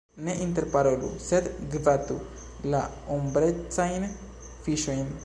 Ne interparolu, sed gvatu la ombrecajn fiŝojn!